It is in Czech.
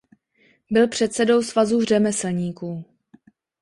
Byl předsedou Svazu řemeslníků.